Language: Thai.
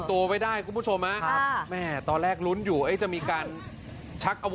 สวัสดีค่ะบุซาสวัสดีราควันตายฝั่งครับ